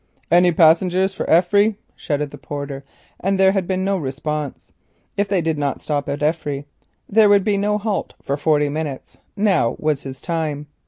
"Any passengers for Effry?" shouted the porter, and there had been no response. If they did not stop at Effry there would be no halt for forty minutes. Now was his time.